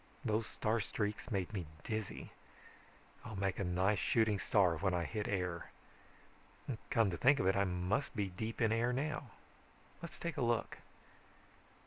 Those star streaks made me dizzy. I'll make a nice shooting star when I hit air. Come to think of it, I must be deep in air now. Let's take a look.